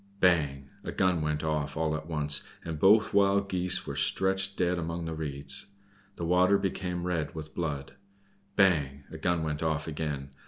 Bang! a gun went off all at once, and both Wild Geese were stretched dead among the reeds; the water became red with blood. Bang! a gun went off again.